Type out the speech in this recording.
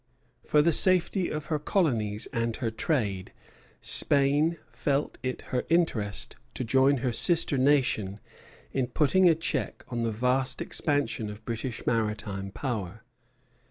For the safety of her colonies and her trade Spain felt it her interest to join her sister nation in putting a check on the vast expansion of British maritime power.